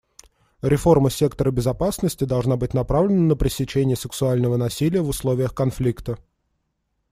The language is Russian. Реформа сектора безопасности должна быть направлена на пресечение сексуального насилия в условиях конфликта.